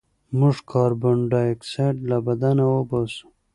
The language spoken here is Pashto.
موږ کاربن ډای اکسایډ له بدن وباسو